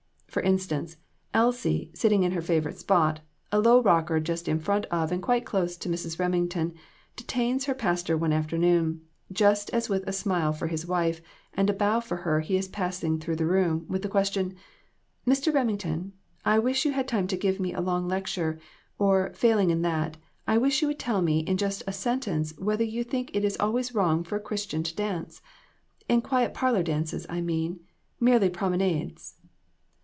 For instance, Elsie, sitting in her favorite spot, a low rocker, just in front of and quite close to Mrs. Remington, detains her pastor one afternoon, just as with a smile for his wife and a bow for her he is passing through the room, with the question "Mr. Remington, I wish you had time to give me a long lecture ; or, failing in that, I wish you would tell me in just a sentence whether you think it always wrong for a Christian to dance ; in quiet parlor dances I mean merely promenades."